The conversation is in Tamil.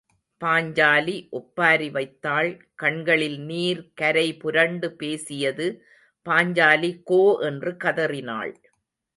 பாஞ்சாலி ஒப்பாரிவைத்தாள் கண்களில் நீர் கரை புரண்டு பேசியது பாஞ்சாலி கோ என்று கதறினாள்.